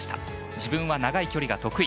自分は長い距離が得意。